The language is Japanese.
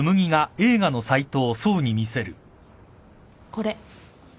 これ。